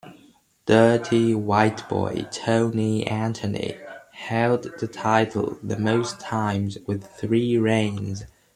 "Dirty White Boy" Tony Anthony held the title the most times with three reigns.